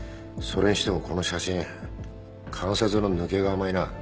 それにしてもこの写真関節の抜けが甘いな。